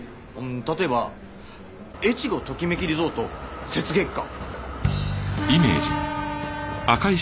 例えばえちごトキめきリゾート雪月花。